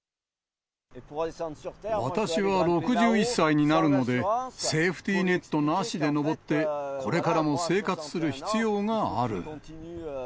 私は６１歳になるので、セーフティーネットなしで登って、これからも生活する必要がある。